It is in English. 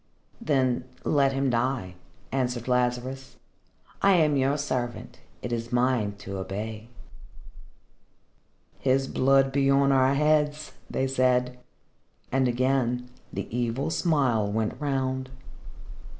"Then let him die," answered Lazarus. "I am your servant. It is mine to obey." "His blood be on our heads," they said. And again, the evil smile went round.